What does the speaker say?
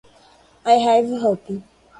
I have hope.